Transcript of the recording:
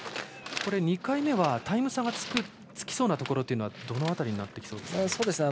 ２回目はタイム差がつきそうなところというのはどの辺りになってきそうですか？